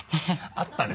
あったね